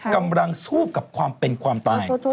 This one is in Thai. กำลังสู้กับความเป็นความตาย